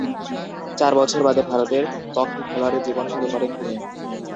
চার বছর বাদে ভারতের পক্ষে খেলোয়াড়ী জীবন শুরু করেন তিনি।